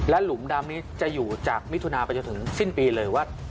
หลุมดำนี้จะอยู่จากมิถุนาไปจนถึงสิ้นปีเลยว่า